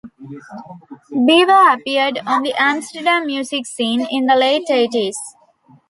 Beaver appeared on the Amsterdam music scene in the late eighties.